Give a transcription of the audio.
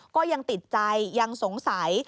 ก็ยังติดใจยังสงสัย